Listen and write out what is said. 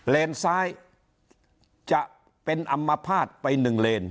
เลนซ้ายจะเป็นอัมพาตไป๑เลน